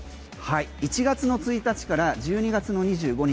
１月の１日から１２月の２５日